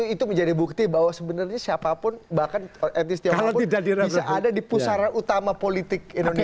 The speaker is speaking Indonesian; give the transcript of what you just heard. itu menjadi bukti bahwa sebenarnya siapapun bahkan entis tiapapun bisa ada di pusara utama politik indonesia